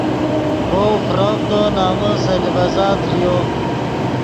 ڤؤ فرڤدو نمن سے لیڤزا دریو